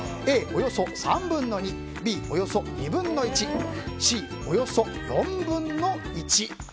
Ａ、およそ３分の２Ｂ、およそ２分の１Ｃ、およそ４分の１。